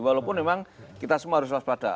walaupun memang kita semua harus waspada